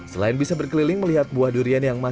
selain bisa berkeliling melihat buah durian yang matang